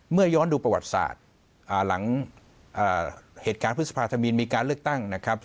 เมื่อย้อนดูประวัติศาสตร์หลังเหตุการณ์พฤษภาธมินมีการเลือกตั้งนะครับ